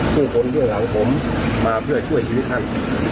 ผู้คนเบื้องหลังผมมาเพื่อช่วยชีวิตท่าน